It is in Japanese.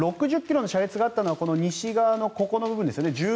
６０ｋｍの車列があったのは西側のここの部分ですよね。